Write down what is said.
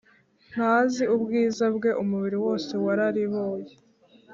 Ntazi ubwiza bwe umubiri wose warariboye